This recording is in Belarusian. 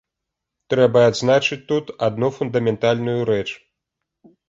Трэба адзначыць тут адну фундаментальную рэч.